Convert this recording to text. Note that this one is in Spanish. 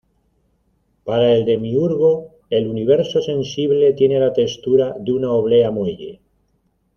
Para el demiurgo, el universo sensible tiene la textura de una oblea muelle.